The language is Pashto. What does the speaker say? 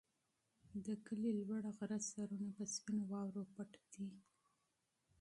د کلي د لوړ غره سرونه په سپینو واورو پټ دي.